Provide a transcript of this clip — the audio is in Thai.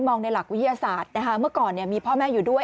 ในหลักวิทยาศาสตร์นะคะเมื่อก่อนมีพ่อแม่อยู่ด้วย